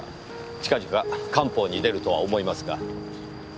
近々官報に出るとは思いますが。